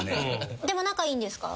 でも仲いいんですか？